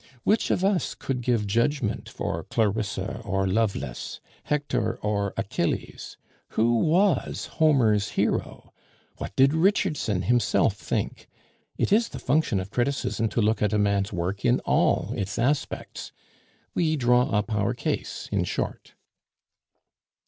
Which of us could give judgement for Clarissa or Lovelace, Hector or Achilles? Who was Homer's hero? What did Richardson himself think? It is the function of criticism to look at a man's work in all its aspects. We draw up our case, in short."